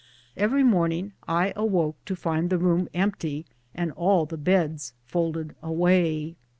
Every morning I awoke to find the room empty and all the beds folded away.